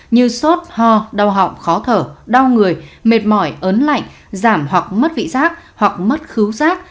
như sốt ho đau họng khó thở đau người mệt mỏi ớn lạnh giảm hoặc mất vị giác hoặc mất cứu giác